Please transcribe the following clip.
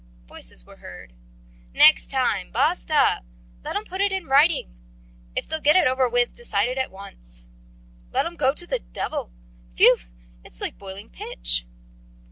Voices were heard. "Next time. Basta!" "Let 'em put it in writing." "If they'll get it over quickly... Decide it at once." "Let 'em go to the devil. Phew! It's like boiling pitch."